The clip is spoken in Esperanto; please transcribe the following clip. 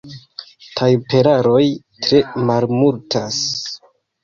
Tajperaroj tre malmultas.